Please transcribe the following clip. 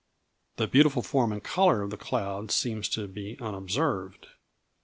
The beautiful form and colour of the cloud seem to be unobserved.